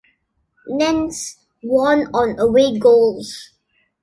Nantes won on away goals.